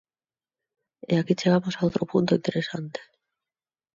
E aquí chegamos a outro punto interesante.